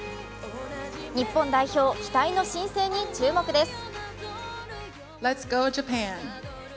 日本代表、期待の新星に注目です。